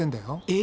え？